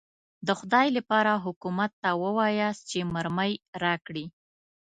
د خدای لپاره حکومت ته ووایاست چې مرمۍ راکړي.